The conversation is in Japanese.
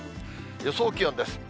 予想気温です。